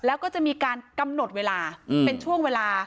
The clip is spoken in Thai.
แล้วก็จะมีการกำหนดเวลาเป็นช่วงเวลา